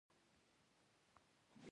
پیرو او ایکوادور تر دې ډېر بومي وګړي لري.